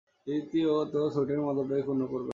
দ্বিতীয়ত, স্যুটের মর্যাদাকে ক্ষুণ্ণ করবে না।